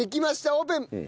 オープン！